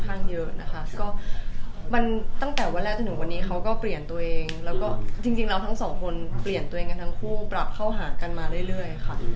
ทั้งสองคนเปลี่ยนตัวเองกันทั้งคู่ปรับเข้าหากันมาเรื่อยค่ะ